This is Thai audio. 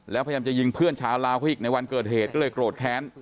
แล้วพยายามจะยิงเพื่อนชาวลาวเขาอีกในวันเกิดเหตุก็เลยโกรธแค้น